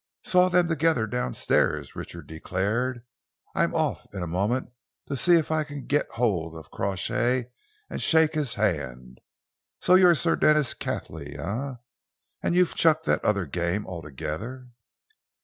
"Saw them together down stairs," Richard declared. "I'm off in a moment to see if I can get hold of Crawshay and shake his hand. So you're Sir Denis Cathley, eh, and you've chucked that other game altogether?"